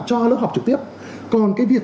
cho lớp học trực tiếp còn cái việc